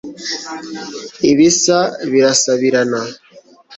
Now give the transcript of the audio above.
ibisa birasabirana